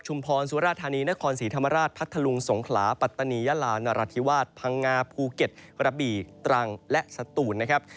สุราธานีนครศรีธรรมราชพัทธลุงสงขลาปัตตานียาลานราธิวาสพังงาภูเก็ตกระบี่ตรังและสตูนนะครับ